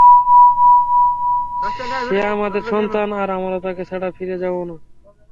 সে আমাদের সন্তান আর আমরা তাকে ছাড়া ফিরে যাবো না।